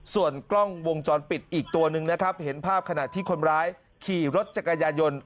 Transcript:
ส่วนกล้องวงจรปิดอีกตัวหนึ่งนะครับเห็นภาพขณะที่คนร้ายขี่รถจักรยายน